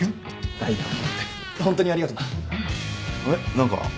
何か。